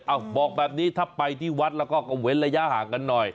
บอกแบบนี้ถ้าไปที่วัดแล้วก็เว้นระยะห่างกันหน่อย